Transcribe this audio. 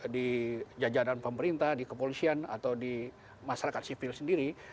di jajaran pemerintah di kepolisian atau di masyarakat sipil sendiri